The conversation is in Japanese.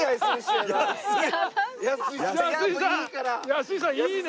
安井さんいいね！